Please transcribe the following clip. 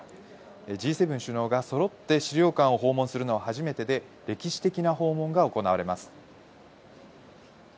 Ｇ７首脳が揃って資料館を訪問するのは初めてで、歴史的な訪問が行われます。